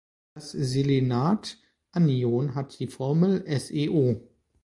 Das Selenat-Anion hat die Formel SeO.